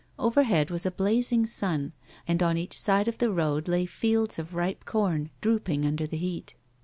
Overhead was a blazing sun, and on each side of the road lay fields of ripe corn drooping under the heat.